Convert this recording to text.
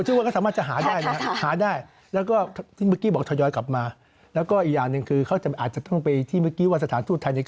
สนามจริงเขาก็จะฉลาก